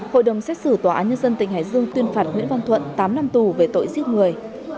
hội đồng xét xử tòa án nhân dân tỉnh hải dương tuyên phạt nguyễn văn thuận tám năm tù về tội giết người